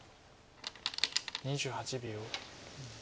２８秒。